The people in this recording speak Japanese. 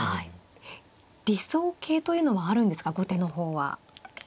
理想形というのはあるんですか後手の方は。